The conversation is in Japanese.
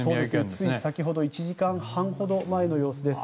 つい先ほど１時間半ほど前の様子です。